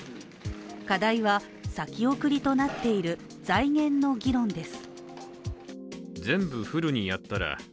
課題は先送りとなっている財源の議論です。